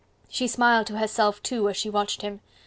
She smiled to herself too as she watched him.